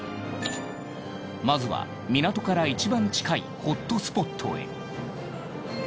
まずは港からいちばん近いホットスポットへ。